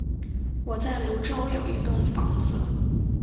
我在芦洲有一栋房子